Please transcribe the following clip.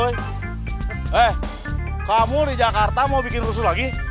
eh kamu di jakarta mau bikin rusuh lagi